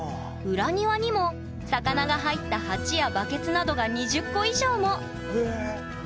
裏庭にも魚が入った鉢やバケツなどが２０個以上も！